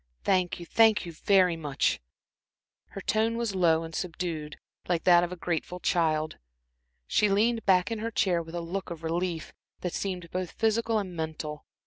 Thank you thank you very much." Her tone was low and subdued, like that of a grateful child. She leaned back in her chair with a look of relief, that seemed both physical and mental.